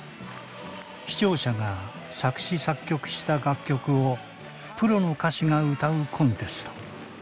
視聴者が作詞作曲した楽曲をプロの歌手が歌うコンテスト。